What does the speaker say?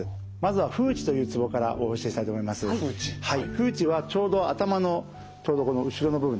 風池はちょうど頭のちょうどこの後ろの部分ですね。